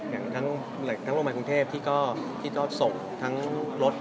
อย่างทั้งโรงพยาบาลกรุงเทพที่ก็ส่งทั้งรถ